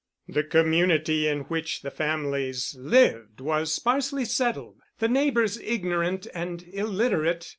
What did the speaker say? The community in which the families lived was sparsely settled, the neighbors ignorant and illiterate.